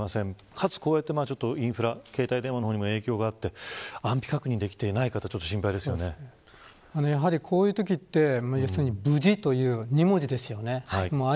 かつ、携帯電話にも影響があって安否確認ができていない方はやはり、こういうときって無事という２文字ですよね。